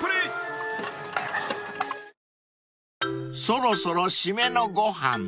［そろそろ締めのご飯。